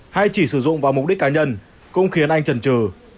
hay chỉ sử dụng vào mục đích cá nhân cũng khiến anh trần trừ